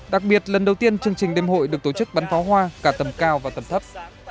đặc biệt lần đầu tiên chương trình đêm hội được tổ chức bắn pháo hoa cả tầm cao và tầm thấp